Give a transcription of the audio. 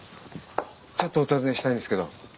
ちょっとお尋ねしたいんですけど。